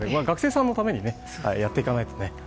学生さんのためにやっていかないとね。